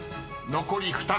［残り２つ。